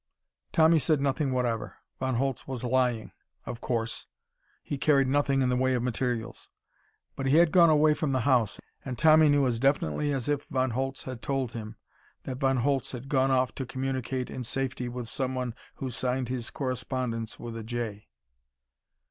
Tommy said nothing whatever. Von Holtz was lying. Of course. He carried nothing in the way of materials. But he had gone away from the house, and Tommy knew as definitely as if Von Holtz had told him, that Von Holtz had gone off to communicate in safety with someone who signed his correspondence with a J.